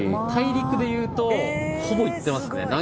大陸でいうとほぼ行ってますね。